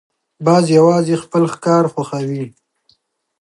باز یوازې خپل ښکار خوښوي